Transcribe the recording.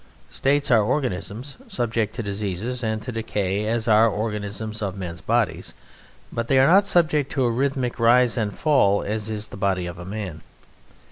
States are organisms subject to diseases and to decay as are the organisms of men's bodies; but they are not subject to a rhythmic rise and fall as is the body of a man.